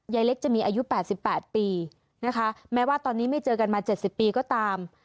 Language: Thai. ยายเล็กจะมีอายุแปดสิบแปดปีนะคะแม้ว่าตอนนี้ไม่เจอกันมาเจ็ดสิบปีก็ตาม